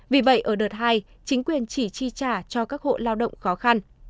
vì vậy ở đợt hai chính quyền chỉ chi trả cho các hộ lao động khó khăn